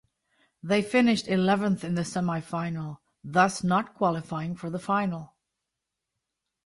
They finished eleventh in the semi-final, thus not qualifying for the final.